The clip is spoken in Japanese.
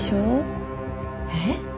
えっ！？